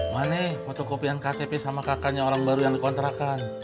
mana foto kopi yang ktp sama kakaknya orang baru yang dikontrakan